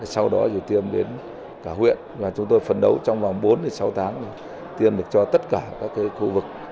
sau đó thì tiêm đến cả huyện và chúng tôi phấn đấu trong vòng bốn sáu tháng tiêm được cho tất cả các khu vực